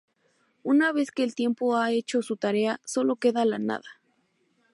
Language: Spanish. Una vez que el tiempo ha hecho su tarea, sólo queda la nada.